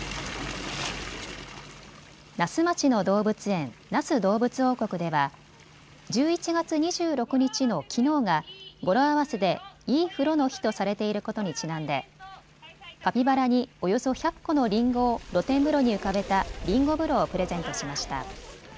那須町の動物園、那須どうぶつ王国では１１月２６日のきのうが語呂合わせでいい風呂の日とされていることにちなんでカピバラにおよそ１００個のりんごを露天風呂に浮かべたりんご風呂をプレゼントしました。